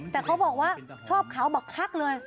แต่เค้าบอกว่าชอบขาวบรรคักเลย